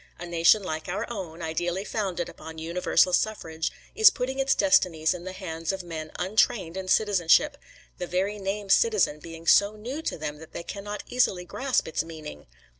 A nation like our own, ideally founded upon universal suffrage, is putting its destinies in the hands of men untrained in citizenship; the very name citizen being so new to them that they cannot easily grasp its meaning.